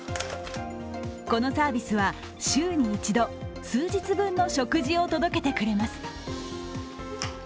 このサービスは週に１度、数日分の食事を届けてくれます。